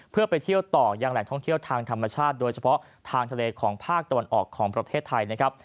เพื่อไปเที่ยวต่อยังแหล่งท่องเที่ยวทางธรรมชาติโดยเฉพาะทางทะเลของภาคตะวันออกของประเทศไทยนะครับ